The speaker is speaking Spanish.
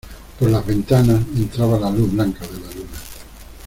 por las ventanas entraba la luz blanca de la luna.